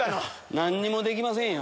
何にもできませんよ。